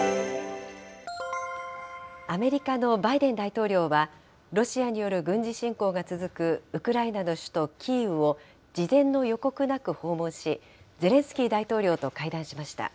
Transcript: アメリカのバイデン大統領は、ロシアによる軍事侵攻が続くウクライナの首都キーウを、事前の予告なく訪問し、ゼレンスキー大統領と会談しました。